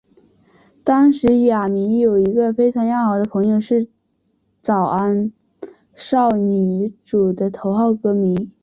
当时亚弥有一个非常要好的朋友是早安少女组的头号歌迷。